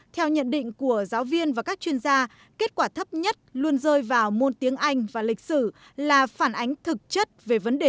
theo nhận định của giáo viên và các chuyên gia kết quả thấp nhất luôn rơi vào môn tiếng anh và lịch sử là phản ánh thực chất về vấn đề